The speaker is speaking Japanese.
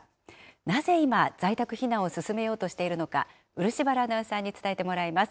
なぜ今、在宅避難を進めようとしているのか、漆原アナウンサーに伝えてもらいます。